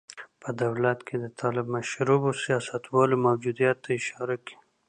په دولت کې د طالب مشربو سیاستوالو موجودیت ته اشاره کوي.